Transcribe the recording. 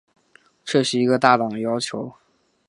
这是一个大胆的要求。